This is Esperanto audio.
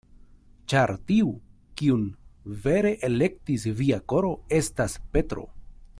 Ĉar tiu, kiun vere elektis via koro, estas Petro.